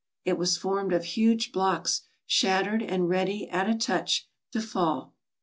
It was formed of huge blocks, shattered, and ready, at a touch, to fall.